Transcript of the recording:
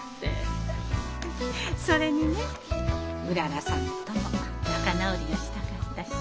それにねうららさんとも仲直りがしたかったし。